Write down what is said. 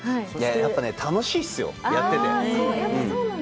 やっぱね、楽しいっすよ、やってて。